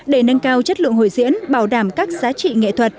để nâng cao chất lượng hội diễn bảo đảm các giá trị nghệ thuật